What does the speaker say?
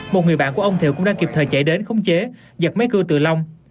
một người bạn của ông thiệu cũng đã kịp thời chạy đến khống chế giặt máy cưa từ lòng